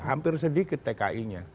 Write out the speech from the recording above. hampir sedikit tki nya